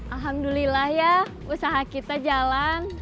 alhamdulillah ya usaha kita jalan